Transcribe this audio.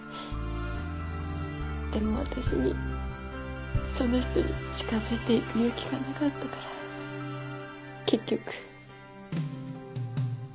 でも私にその人に近づいていく勇気がなかったから結局。